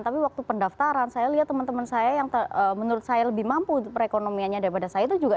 tapi waktu pendaftaran saya lihat teman teman saya yang menurut saya lebih mampu untuk perekonomiannya daripada saya itu juga